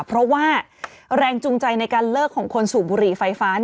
เพราะว่าแรงจูงใจในการเลิกของคนสูบบุหรี่ไฟฟ้า